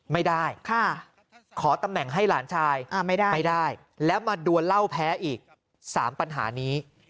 ไม่ได้ขอตำแหน่งให้หลานชายไม่ได้แล้วมาดวนเหล้าแพ้อีก๓ปัญหานี้